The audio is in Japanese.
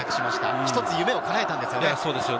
一つ夢をかなえたんですよね。